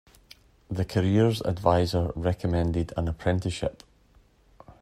The careers adviser recommended an apprenticeship.